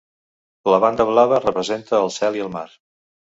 La banda blava representa el cel i el mar.